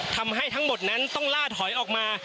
ทั้งหมดนั้นต้องล่าถอยออกมา